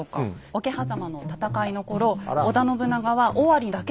桶狭間の戦いの頃織田信長は尾張だけでした。